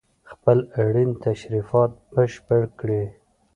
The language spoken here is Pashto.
خپل اړين تشريفات بشپړ کړي